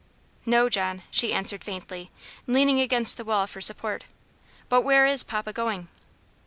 "No, John," she answered faintly, leaning against the wall for support; "but where is papa going?"